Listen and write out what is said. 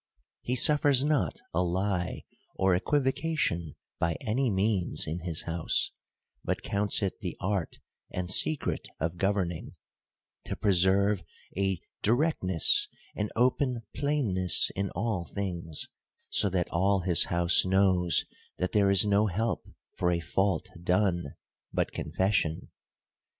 — He suffers not a lie or equivocation by any means in his house, but counts it the art and secret of governing, to preserve a directness and open plainness in all things : so that all his house knows that there is no help for a fault done, but confes sion.